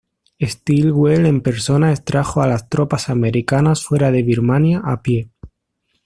Stilwell en persona extrajo a las tropas americanas fuera de Birmania a pie.